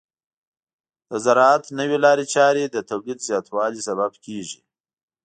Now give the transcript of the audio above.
د زراعت نوې لارې چارې د تولید زیاتوالي سبب کیږي.